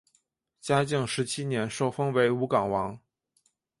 嘉靖十七年受封为武冈王。